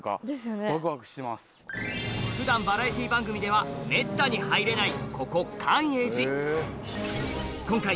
普段バラエティー番組ではめったに入れない